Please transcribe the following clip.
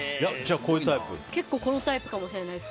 結構こういうタイプかもしれないです。